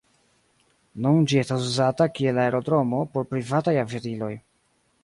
Nun ĝi estas uzata kiel aerodromo por privataj aviadiloj.